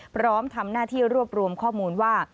พร้อมทำหน้าที่รวบรวมข้อมูลว่า